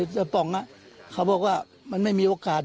เจ้าป๋องเขาบอกว่ามันไม่มีโอกาส